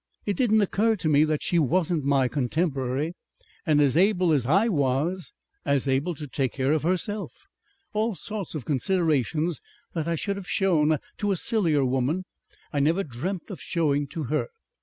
It didn't occur to me that she wasn't my contemporary and as able as I was. As able to take care of herself. All sorts of considerations that I should have shown to a sillier woman I never dreamt of showing to her.